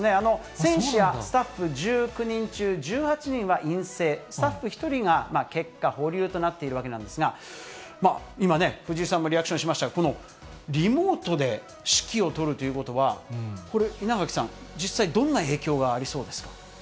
選手やスタッフ１９人中１８人は陰性、スタッフ１人が結果保留となっているわけなんですが、今ね、藤井さんもリアクションしましたが、このリモートで指揮を執るということは、これ、稲垣さん、実際どんな影響がありそうですか？